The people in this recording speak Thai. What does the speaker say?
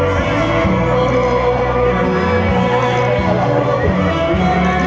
สวัสดีครับ